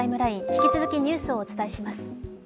引き続きニュースをお伝えします。